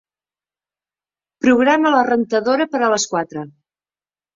Programa la rentadora per a les quatre.